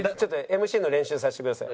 「ＭＣの練習させてください」。